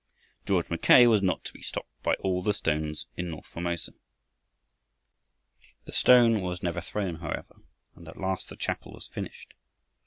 George Mackay was not to be stopped by all the stones in north Formosa. This stone was never thrown, however, and at last the chapel was finished.